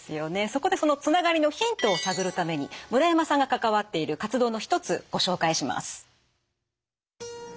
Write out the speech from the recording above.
そこでそのつながりのヒントを探るために村山さんが関わっている活動の一つご紹介します。